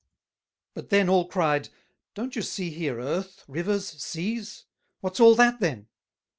But then all cried, "Don't you see here Earth, Rivers, Seas? what's all that then?"